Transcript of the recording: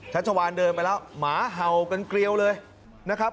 ชัชวานเดินไปแล้วหมาเห่ากันเกลียวเลยนะครับ